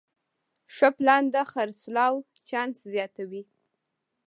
ښه پلان د خرڅلاو چانس زیاتوي.